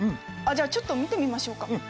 じゃあちょっと見てみましょうか。